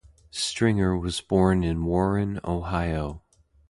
Stringer was born in Warren, Ohio.